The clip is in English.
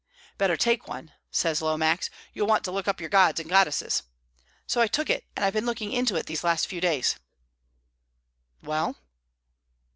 'Better take one,' says Lomax. 'You'll want to look up your gods and goddesses.' So I took it, and I've been looking into it these last few days." "Well?"